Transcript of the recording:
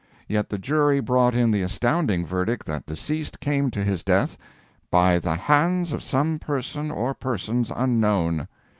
Yet the jury brought in the astounding verdict that deceased came to his death "by the hands of some person or persons unknown!"